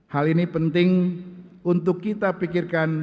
hal ini penting untuk kita pikirkan